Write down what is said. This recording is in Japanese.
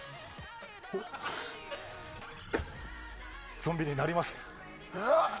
ゾンビになります。